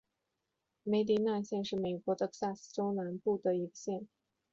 梅迪纳县是美国德克萨斯州西南部的一个县。